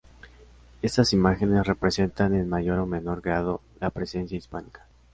Estas imágenes representan en mayor o menor grado la presencia hispánica.